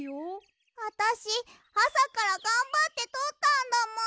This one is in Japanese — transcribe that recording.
あたしあさからがんばってとったんだもん。